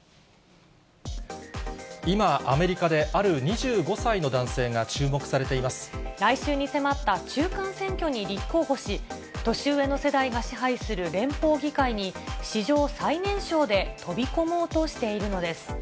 今、アメリカで、ある２５歳の男来週に迫った中間選挙に立候補し、年上の世代が支配する連邦議会に、史上最年少で飛び込もうとしているのです。